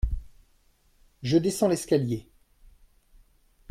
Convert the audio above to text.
Je descends l'escalier.